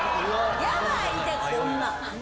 ヤバいてこんなん。